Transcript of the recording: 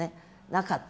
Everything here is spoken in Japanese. なかった。